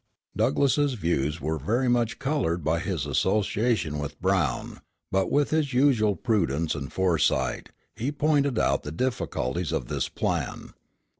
Douglass's views were very much colored by his association with Brown; but, with his usual prudence and foresight, he pointed out the difficulties of this plan.